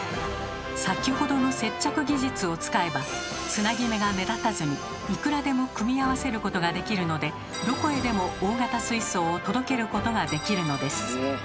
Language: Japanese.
先ほどの接着技術を使えばつなぎ目が目立たずにいくらでも組み合わせることができるのでどこへでも大型水槽を届けることができるのです。